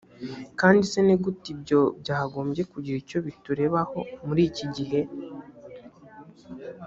kandi se ni gute ibyo byagombye kugira icyo biturebaho muri iki gihe